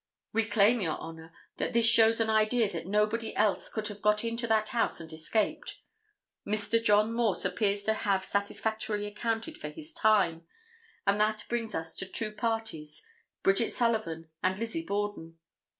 We claim, Your Honor, that this shows an idea that nobody else could have got into that house and escaped. Mr. John Morse appears to have satisfactorily accounted for his time, and that brings us to two parties, Bridget Sullivan and Lizzie Borden.